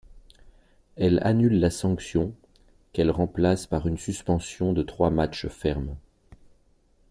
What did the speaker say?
Elle annule la sanction, qu’elle remplace par une suspension de trois matches ferme.